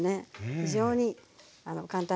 非常に簡単ですよ。